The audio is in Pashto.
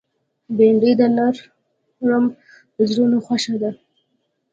بېنډۍ د نرم زړونو خوښه ده